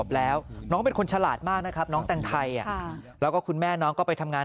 ส่วนพวกครีมวัสเซอรีนอะไรพวกนี้ต้องกาลมั้ย